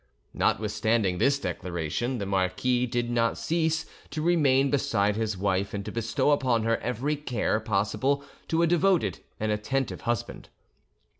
Notwithstanding this declaration, the marquis did not cease to—remain beside his wife and to bestow upon her every care possible to a devoted and attentive husband.